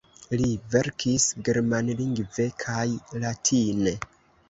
Li verkis germanlingve kaj latine.